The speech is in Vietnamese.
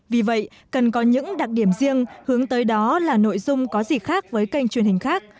vì vậy cần có những đặc điểm riêng hướng tới đó là nội dung có gì khác với kênh truyền hình khác